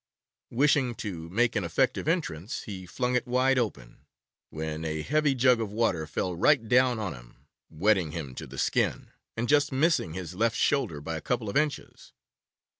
Wishing to make an effective entrance, he flung it wide open, when a heavy jug of water fell right down on him, wetting him to the skin, and just missing his left shoulder by a couple of inches.